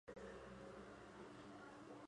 卡内德萨拉尔。